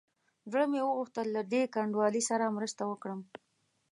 زړه مې وغوښتل له دې کنډوالې سره مرسته وکړم.